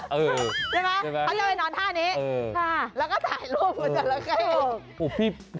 ใช่ไหมเขาจะไปนอนท่านี้แล้วก็ถ่ายรูปกับจราเข้